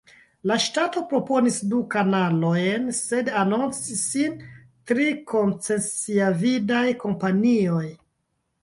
La ŝtato proponis du kanalojn sed anoncis sin tri koncesiavidaj kompanioj.